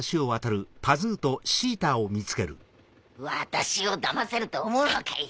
私をだませると思うのかい。